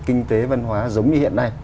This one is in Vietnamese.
kinh tế văn hóa giống như hiện nay